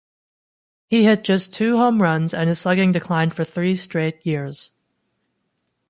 He hit just two home runs and his slugging declined for three straight years.